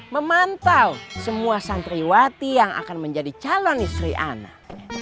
memantau semua santriwati yang akan menjadi calon istri anak